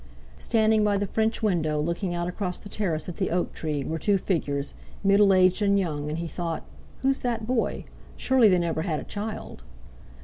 Standing by the french window, looking out across the terrace at the oak tree, were two figures, middle aged and young, and he thought: "Who's that boy? Surely they never had a child."